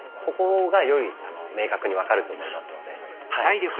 ここがより明確に分かると思いますのではい。